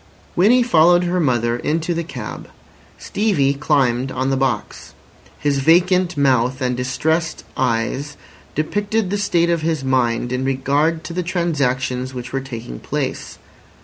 Winnie followed her mother into the cab. Stevie climbed on the box. His vacant mouth and distressed eyes depicted the state of his mind in regard to the transactions which were taking place.